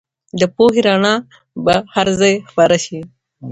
د پوهې رڼا به هر ځای خپره سي.